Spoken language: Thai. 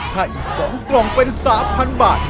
ถ้าอีก๒กล่องเป็น๓๐๐๐บาท